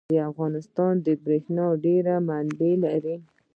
افغانستان د بریښنا ډیر منابع لري.